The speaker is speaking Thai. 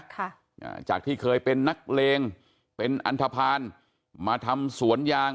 ค่ะอ่าจากที่เคยเป็นนักเลงเป็นอันทภาณมาทำสวนยาง